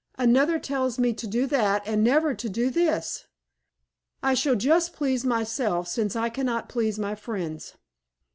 Another tells me to do that and never to do this. I shall just please myself since I cannot please my friends."